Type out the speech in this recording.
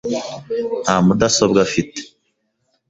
Nta mudasobwa afite .